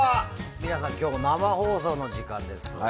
皆さん、今日も生放送の時間です。